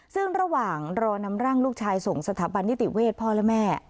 ซึ่งระหว่างรอนำร่างลูกชายส่งสถาบันนิติเวทพ่อและแม่